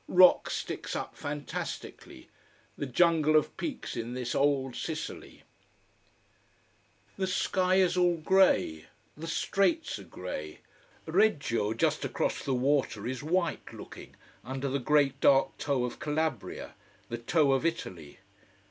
Rock sticks up fantastically. The jungle of peaks in this old Sicily. The sky is all grey. The Straits are grey. Reggio, just across the water, is white looking, under the great dark toe of Calabria, the toe of Italy.